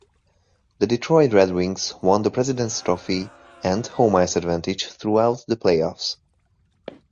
The Detroit Red Wings won the Presidents' Trophy and home-ice advantage throughout the playoffs.